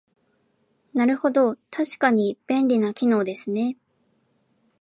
なるほど、確かに便利な機能ですね